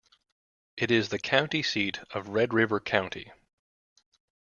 It is the county seat of Red River County.